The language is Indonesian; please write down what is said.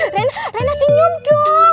rena rena senyum dong